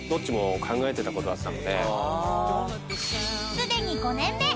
［すでに５年目。